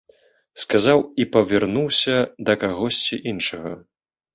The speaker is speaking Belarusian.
Сказаў і павярнуўся да кагосьці іншага.